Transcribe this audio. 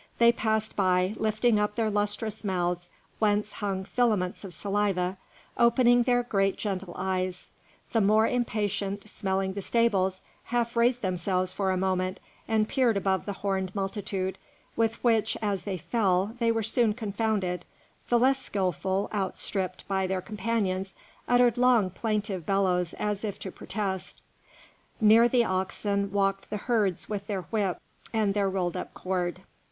They passed by, lifting up their lustrous mouths whence hung filaments of saliva, opening their great, gentle eyes; the more impatient, smelling the stables, half raised themselves for a moment and peered above the horned multitude, with which, as they fell, they were soon confounded; the less skilful, outstripped by their companions, uttered long, plaintive bellows as if to protest. Near the oxen walked the herds with their whip and their rolled up cord.